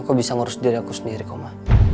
kau bisa ngurus diri aku sendiri koma